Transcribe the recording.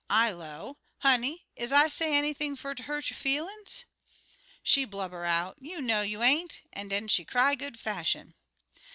I 'low, 'Honey, is I say anything fer ter hurt yo' feelin's?' She blubber' out, 'You know you ain't!' an' den she cry good fashion.